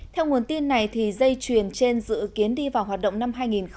theo nguồn tin này dây chuyển trên dự kiến đi vào hoạt động năm hai nghìn hai mươi một